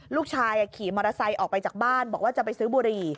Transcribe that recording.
ลูกชายขี่มอเตอร์ไซค์ออกไปจากบ้านบอกว่าจะไปซื้อบุหรี่